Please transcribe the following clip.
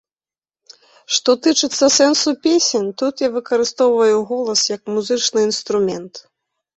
Што тычыцца сэнсу песень, тут я выкарыстоўваю голас як музычны інструмент.